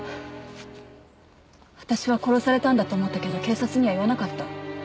私は殺されたんだと思ったけど警察には言わなかった。